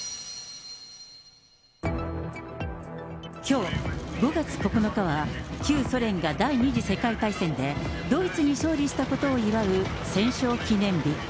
きょう５月９日は、旧ソ連が第２次世界大戦でドイツに勝利したことを祝う戦勝記念日。